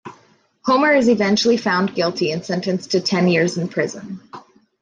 Homer is eventually found guilty and sentenced to ten years in prison.